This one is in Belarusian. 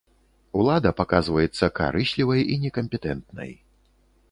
Улада паказваецца карыслівай і некампетэнтнай.